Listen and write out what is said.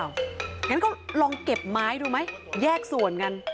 งั้นก็ลองเก็บไม้ดูไหมแยกส่วนกัน